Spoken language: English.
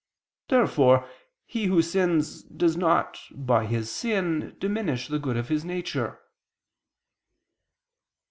Therefore he who sins, does not, by his sin, diminish the good of his nature.